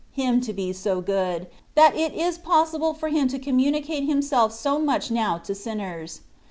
Him to be so good, that it is possible for Him to communicate Himself so much now to sinners.